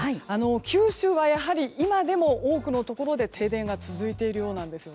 九州は今でも多くのところで停電が続いているようなんです。